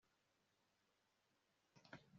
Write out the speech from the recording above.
mumaso ndeste nanjye numva meze nkugiye gusara